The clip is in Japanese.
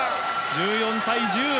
１４対１０！